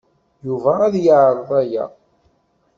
Yuba ad yeɛreḍ aya.